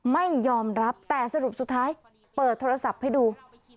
ไม่ยอมรับแต่สรุปสุดท้ายเปิดโทรศัพท์ให้ดู